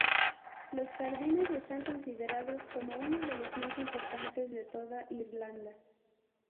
Los jardines están considerados como uno de los más importantes de toda Irlanda.